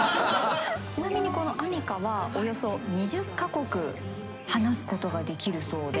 ちなみにこのアミカはおよそ２０か国話すことができるそうで。